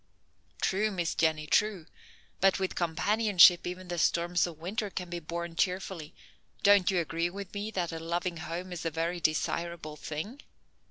"True, Miss Jenny, true. But with companionship even the storms of winter can be borne cheerfully. Don't you agree with me that a loving home is a very desirable thing?"